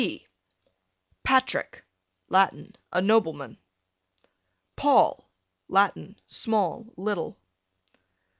P Patrick, Latin, a nobleman. Paul, Latin, small, little.